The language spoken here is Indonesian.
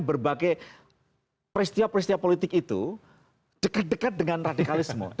berbagai peristiwa peristiwa politik itu dekat dekat dengan radikalisme